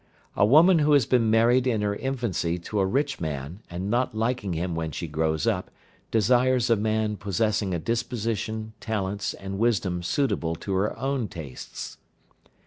A woman who has been married in her infancy to a rich man, and not liking him when she grows up, desires a man possessing a disposition, talents, and wisdom suitable to her own tastes.